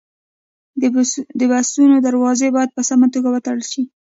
د بسونو دروازې باید په سمه توګه وتړل شي.